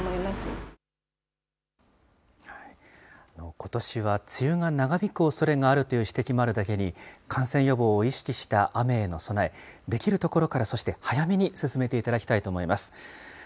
ことしは梅雨が長引くおそれがあるという指摘があるだけに、感染予防を意識した雨への備え、できるところから、そして早めに進めていただきたいと思います。